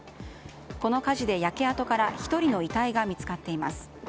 この火事で焼け跡から１人の遺体が見つかっています。